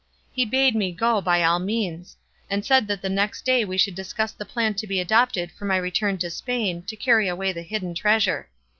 He bade me go by all means, and said that the next day we should discuss the plan to be adopted for my return to Spain to carry away the hidden treasure.